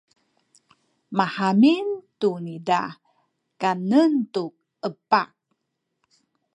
mahamin tu niza kanen ku epah.